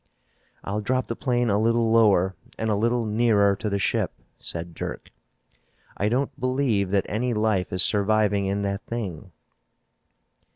"I'll drop the plane a little lower and a little nearer to the ship," said Dirk. "I don't believe that any life is surviving in that thing."